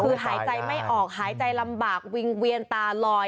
คือหายใจไม่ออกหายใจลำบากวิงเวียนตาลอย